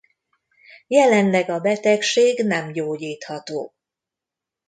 Jelenleg a betegség nem gyógyítható.